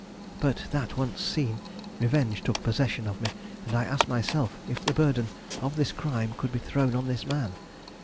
But that once seen, revenge took possession of me, and I asked myself if the burden of this crime could be thrown on this man.